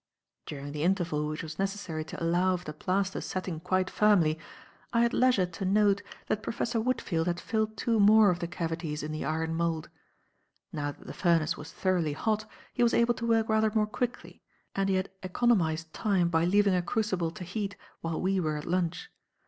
During the interval which was necessary to allow of the plaster setting quite firmly, I had leisure to note that Professor Woodfield had filled two more of the cavities in the iron mould. Now that the furnace was thoroughly hot, he was able to work rather more quickly, and he had economized time by leaving a crucible to heat while we were at lunch.